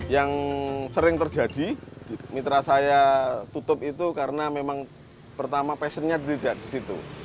yang sering terjadi mitra saya tutup itu karena memang pertama passionnya tidak di situ